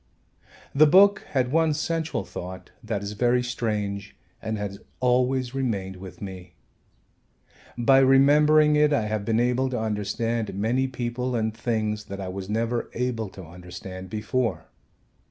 The book had one central thought that is very strange and has always remained with me. By remembering it I have been able to understand many people and things that I was never able to understand before.